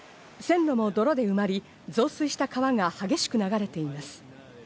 線路も泥で埋まり、増水した川が激しく流れています。